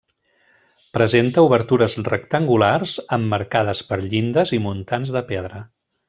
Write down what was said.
Presenta obertures rectangulars emmarcades per llindes i muntants de pedra.